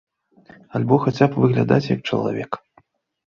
Альбо хаця б выглядаць, як чалавек.